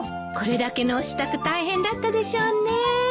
これだけのお支度大変だったでしょうね。